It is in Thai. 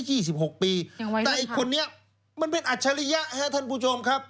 ยังไว้ด้วยครับแต่อีกคนนี้มันเป็นอัชริยะท่านผู้ชมครับ